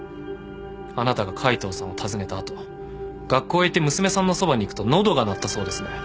あなたが海藤さんを訪ねた後学校へ行って娘さんのそばに行くと喉が鳴ったそうですね。